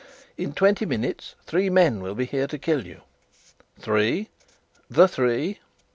"In twenty minutes three men will be here to kill you." "Three the three?"